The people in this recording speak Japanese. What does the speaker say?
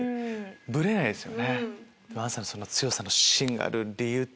ブレないですよね。